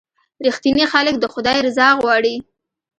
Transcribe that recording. • رښتیني خلک د خدای رضا غواړي.